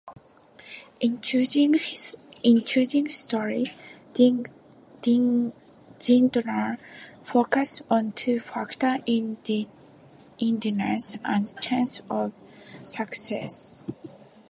In choosing stories, Zindler focused on two factors - neediness and chance of success.